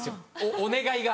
お願いが。